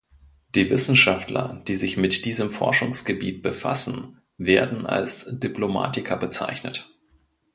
Die Wissenschaftler, die sich mit diesem Forschungsgebiet befassen, werden als Diplomatiker bezeichnet.